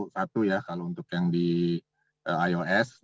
satu ya kalau untuk yang di ios